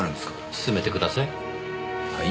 進めてください。